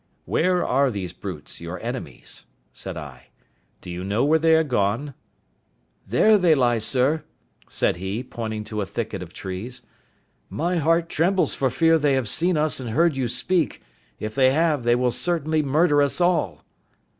"Where are these brutes, your enemies?" said I; "do you know where they are gone?" "There they lie, sir," said he, pointing to a thicket of trees; "my heart trembles for fear they have seen us and heard you speak; if they have, they will certainly murder us all."